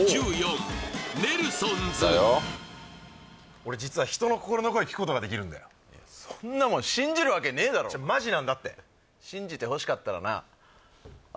俺実は人の心の声聞くことができるんだよいやそんなもん信じるわけねえだろマジなんだって信じてほしかったらなあ